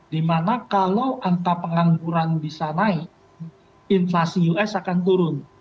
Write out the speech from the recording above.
dimana kalau angka pengangguran bisa naik inflasi us akan turun